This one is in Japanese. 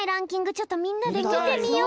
ちょっとみんなでみてみよう！